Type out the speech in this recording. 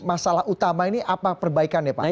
masalah utama ini apa perbaikan ya pak